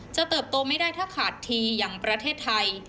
เติบโตไม่ได้ถ้าขาดทีอย่างประเทศไทย